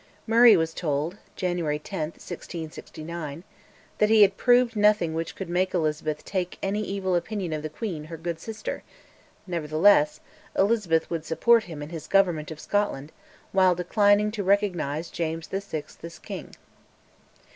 Murray was told (January 10, 1669) that he had proved nothing which could make Elizabeth "take any evil opinion of the queen, her good sister," nevertheless, Elizabeth would support him in his government of Scotland, while declining to recognise James VI. as king.